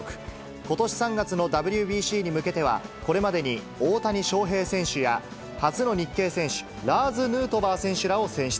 ことし３月のＷＢＣに向けては、これまでに大谷翔平選手や初の日系選手、ラーズ・ヌートバー選手らを選出。